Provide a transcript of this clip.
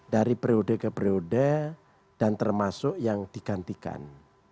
dari periode ke periode dan termasuk yang digantikan